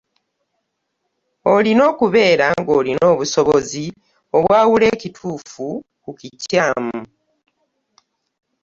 Olina okubeera ng'olina obusobozi obwawula ekituufu ku kikyamu.